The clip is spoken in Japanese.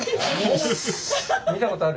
見たことある？